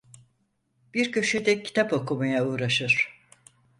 Bir köşede kitap okumaya uğraşır.